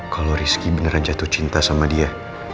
kalau rizky beneran jatuh cinta sama dia